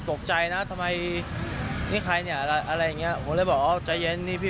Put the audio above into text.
ตกใจนะทำไมนี่ใครเนี่ยอะไรอย่างเงี้ยผมเลยบอกอ๋อใจเย็นนี่พี่